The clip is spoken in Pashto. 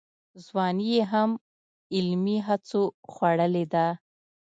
ځواني یې هم علمي هڅو خوړلې ده.